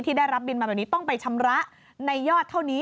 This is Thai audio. ได้รับบินมาแบบนี้ต้องไปชำระในยอดเท่านี้